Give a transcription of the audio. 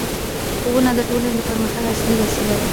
ښوونه د ټولنې د پرمختګ اصلي وسیله ده